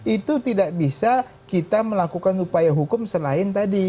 itu tidak bisa kita melakukan upaya hukum selain tadi